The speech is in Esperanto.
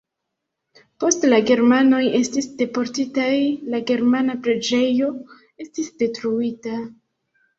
Poste la germanoj estis deportitaj, la germana preĝejo estis detruita.